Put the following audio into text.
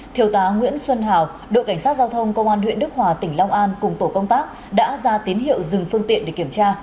thiếu tá nguyễn xuân hào đội cảnh sát giao thông công an huyện đức hòa tỉnh long an cùng tổ công tác đã ra tín hiệu dừng phương tiện để kiểm tra